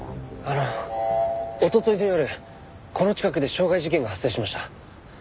あのおとといの夜この近くで傷害事件が発生しました。